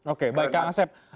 oke baik kak asep